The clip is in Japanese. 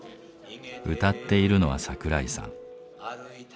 歌っているのは桜井さん。